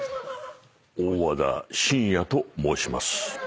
大和田伸也と申します。